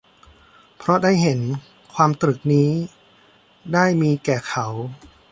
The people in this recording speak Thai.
เพราะได้เห็น ความตรึกนี้ ได้มีแก่เขา